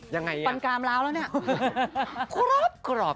อย่างไรน่ะคลอปคลอป